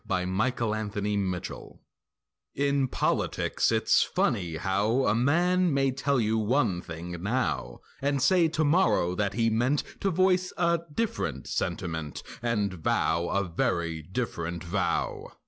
A RONDEAU OF STATESMANSHIP In politics it's funny how A man may tell you one thing now And say tomorrow that he meant To voice a different sentiment And vow a very different vow.